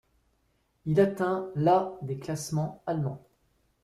Il atteint la des classements allemands.